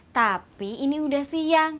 tapi ini udah siang